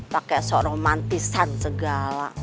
pake sok romantisan segala